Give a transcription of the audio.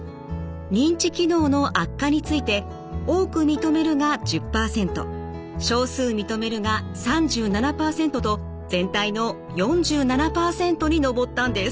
認知機能の悪化について「多く認める」が１０％「少数認める」が３７％と全体の４７％に上ったんです。